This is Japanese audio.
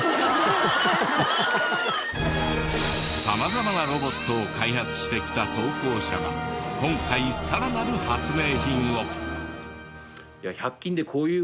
様々なロボットを開発してきた投稿者が今回さらなる発明品を。